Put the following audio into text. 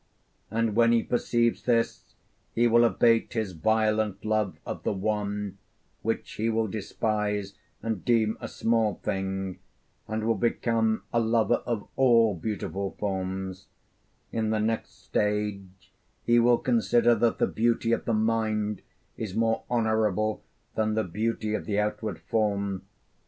And when he perceives this he will abate his violent love of the one, which he will despise and deem a small thing, and will become a lover of all beautiful forms; in the next stage he will consider that the beauty of the mind is more honourable than the beauty of the outward form.